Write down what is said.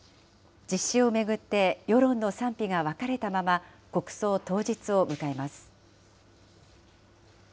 実施を巡って世論の賛否が分かれたまま、国葬当日を迎えます。